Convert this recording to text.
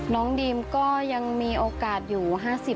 น้องดีมก็ยังมีโอกาสอยู่๕๐